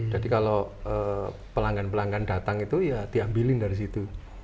jadi kalau pelanggan pelanggan datang itu ya diambilin dari situ